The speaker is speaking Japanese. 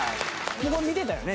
これ見てたよね？